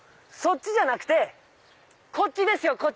そっちじゃなくてこっちですよ！